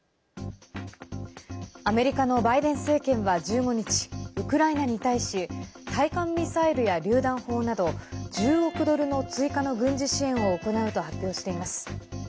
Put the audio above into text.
アメリカのバイデン政権は１５日、ウクライナに対し対艦ミサイルやりゅう弾砲など１０億ドルの追加の軍事支援を行うと発表しています。